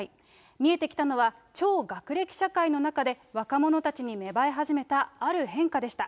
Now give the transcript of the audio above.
見えてきたのは、超学歴社会の中で若者たちに芽生え始めたある変化でした。